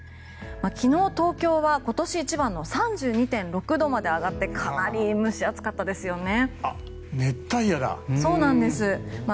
昨日、東京は今年一番の３２．６度まで上がってかなり蒸し暑かったですね。